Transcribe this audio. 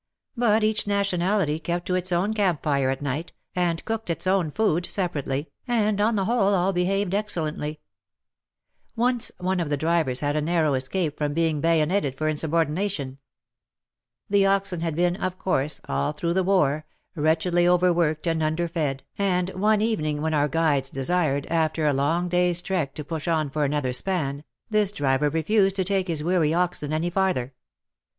But each nationality kept to its own camp fire at night, and cooked its own food separately, and J » J. P, 3 » PlETRO WITH MY BULLOCK WaGGON. WAR AND WOMEN ^7 on the whole all behaved excellently. Once one of the drivers had a narrow escape from being bayoneted for insubordination. The oxen had been, of course, all through the war, wretchedly overworked and underfed, and one evening, when our guides desired, after a long day's trek to push on for another span, this driver refused to take his weary oxen any farther.